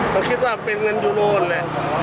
เขาคิดว่าเป็นเงินยุโรนเลย